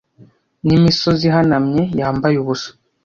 N'imisozi ihanamye yambaye ubusa